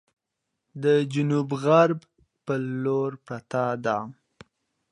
د جنوب غرب په لور پرته ده،